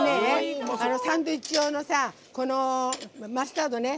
サンドイッチ用のマスタードね。